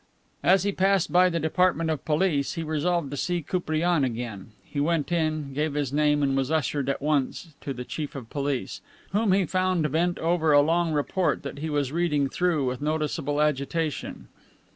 As he passed by the Department of Police he resolved to see Koupriane again. He went in, gave his name, and was ushered at once to the Chief of Police, whom he found bent over a long report that he was reading through with noticeable agitation.